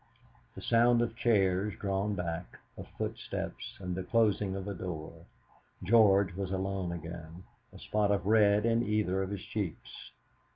The sound of chairs drawn back, of footsteps, and the closing of a door. George was alone again, a spot of red in either of his cheeks.